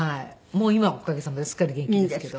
もう今はおかげさまですっかり元気ですけど。